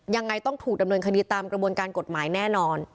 ยังไงต้องถูกดำเนินคดีตามกระบวนการกฎหมายแน่นอน